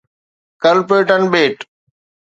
Clipperton ٻيٽ